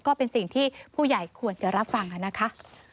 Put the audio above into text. ก็เป็นสิ่งที่ผู้ใหญ่ควรจะรับฟังนะคะ